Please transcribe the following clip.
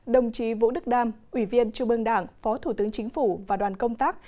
đồng chí vũ đức đam ủy viên chủ bương đảng phó thủ tướng chính phủ và đoàn công tác